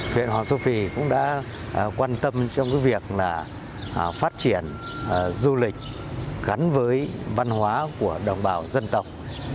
huyện hoàng su phi cũng đã quan tâm trong việc phát triển du lịch gắn với văn hóa của đồng bào dân tộc